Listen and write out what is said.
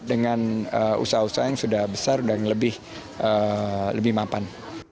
dengan usaha usaha yang sudah besar dan lebih mapan